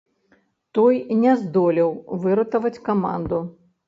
Той не здолеў выратаваць каманду.